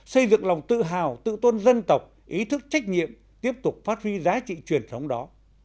xây dựng lòng tự hào tự tôn dân tộc ý thức trách nhiệm tiếp tục phát huy giá trị truyền thống đó